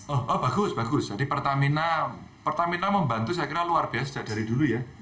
oh bagus bagus jadi pertamina membantu saya kira luar biasa dari dulu ya